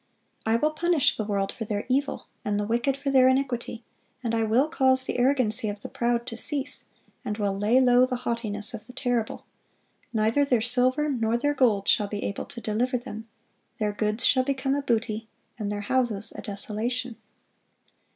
(497) "I will punish the world for their evil, and the wicked for their iniquity; and I will cause the arrogancy of the proud to cease, and will lay low the haughtiness of the terrible."(498) "Neither their silver nor their gold shall be able to deliver them;" "their goods shall become a booty, and their houses a desolation."